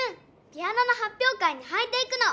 ピアノのはっぴょう会にはいていくの！